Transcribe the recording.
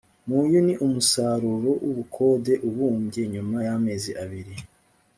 muyu ni umusaruro w ubukode ubumbye nyuma yamezi abiri